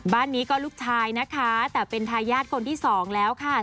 บ้านนี้ก็ลูกชายนะคะแต่เป็นทายาทคนที่สองแล้วค่ะ